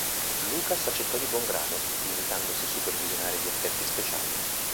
Lucas accettò di buon grado, limitandosi a supervisionare gli effetti speciali.